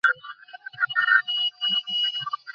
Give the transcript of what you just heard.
তিনি হাজরে আসওয়াদ পর্যন্ত পৌছুতে সক্ষম হলেন।